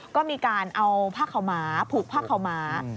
ก็มีการเอาผ้าขาวหมาผูกผ้าขาวหมา